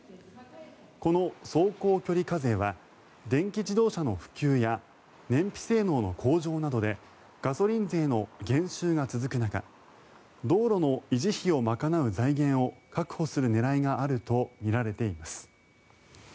この走行距離課税は電気自動車の普及や燃費性能の向上などでガソリン税などの減収が続く中道路の維持費を賄う財源を確保する狙いがあるとみられています。